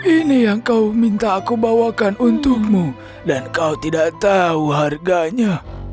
ini yang kau minta aku bawakan untukmu dan kau tidak tahu harganya